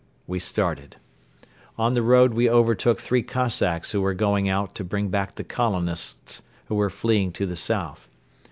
We started. On the road we overtook three Cossacks who were going out to bring back the colonists who were fleeing to the south.